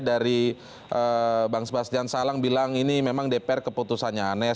dari bang sebastian salang bilang ini memang dpr keputusannya aneh